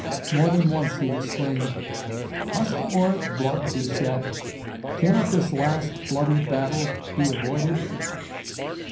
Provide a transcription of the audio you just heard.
More than once he exclaimed, 'Must more blood be shed? Cannot this last bloody battle be avoided?'